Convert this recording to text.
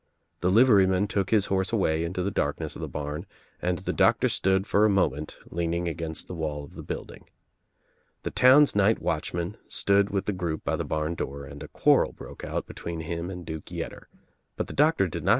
The liveryman took his horse away into the darkness of the barn and the doctor stood for a moment leaning against the wall of the building. The town's night watchman stood with the group by the barn door and a quarrel broke out between him and Duke Yetter, but the doctor did not.